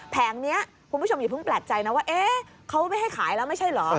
แผงนี้คุณผู้ชมอย่าเพิ่งแปลกใจนะว่าเขาไม่ให้ขายแล้วไม่ใช่เหรอ